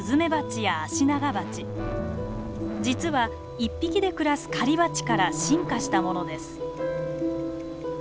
実は一匹で暮らす狩りバチから進化したものです。